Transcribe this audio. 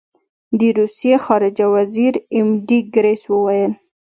د روسیې خارجه وزیر ایم ډي ګیرس وویل.